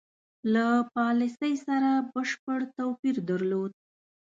له پالیسی سره بشپړ توپیر درلود.